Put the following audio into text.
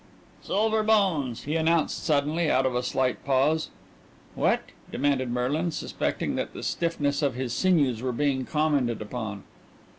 "'Silver Bones,'" he announced suddenly out of a slight pause. "What?" demanded Merlin, suspecting that the stiffness of his sinews were being commented on.